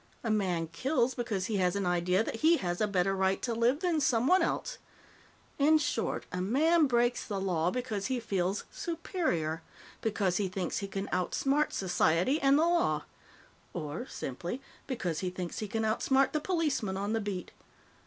A man kills because he has an idea that he has a better right to live than someone else. In short, a man breaks the law because he feels superior, because he thinks he can outsmart Society and The Law. Or, simply, because he thinks he can outsmart the policeman on the beat.